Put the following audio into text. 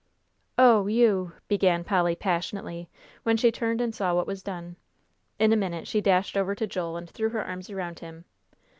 "Oh, you " began Polly, passionately, when she turned and saw what was done. In a minute she dashed over to Joel and threw her arms around him.